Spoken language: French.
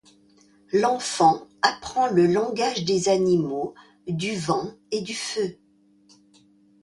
L'enfant apprend le langage des animaux, du vent et du feu.